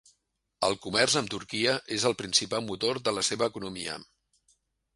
El comerç amb Turquia és el principal motor de la seva economia.